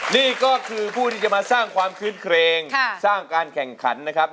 นี่ก็คือผู้ที่จะมาสร้างความคื้นเครงสร้างการแข่งขันนะครับ